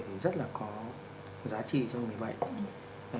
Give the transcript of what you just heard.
thì rất là có giá trị cho người bệnh